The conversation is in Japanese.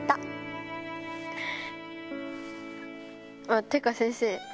っていうか先生